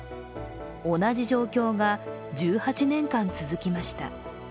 同じ状況が１８年間続きました。